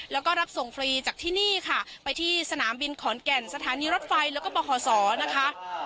แล้วก็รับส่งฟรีจากที่นี่ค่ะไปที่สนามบินขอนแก่นสถานีรถไฟแล้วก็บขศนะคะ